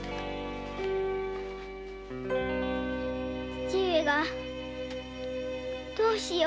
父上がどうしよう！